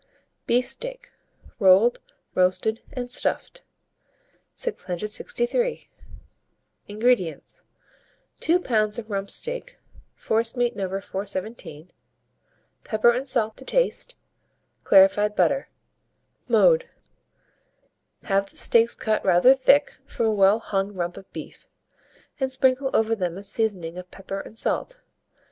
BEEF STEAK, Rolled, Roasted, and Stuffed. 663. INGREDIENTS. 2 lbs. of rump steak, forcemeat No. 417, pepper and salt to taste, clarified butter. Mode. Have the steaks cut rather thick from a well hung rump of beef, and sprinkle over them a seasoning of pepper and salt.